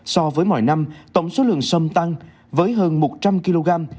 so với mọi năm tổng số lượng sâm tăng với hơn một trăm linh kg